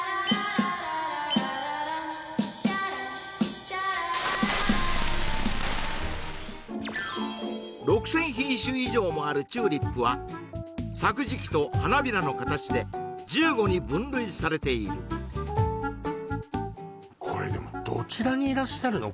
ぷはーっ６０００品種以上もあるチューリップは咲く時期と花びらの形で１５に分類されているこれでもどちらにいらっしゃるの？